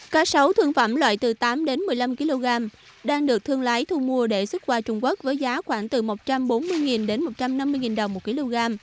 cá sấu thương phẩm loại từ tám đến một mươi năm kg đang được thương lái thu mua để xuất qua trung quốc với giá khoảng từ một trăm bốn mươi đến một trăm năm mươi đồng một kg